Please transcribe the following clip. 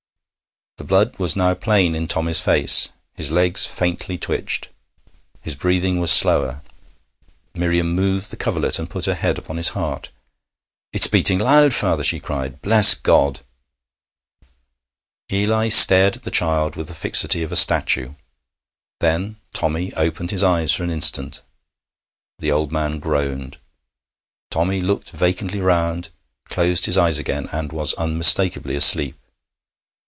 The blood was now plain in Tommy's face. His legs faintly twitched. His breathing was slower. Miriam moved the coverlet and put her head upon his heart. 'It's beating loud, father,' she cried. 'Bless God!' Eli stared at the child with the fixity of a statue. Then Tommy opened his eyes for an instant. The old man groaned. Tommy looked vacantly round, closed his eyes again, and was unmistakably asleep.